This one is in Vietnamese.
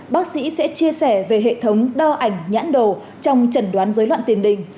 bác sĩ sẽ chia sẻ về hệ thống đo ảnh nhãn đồ trong trần đoán dối loạn tiền đình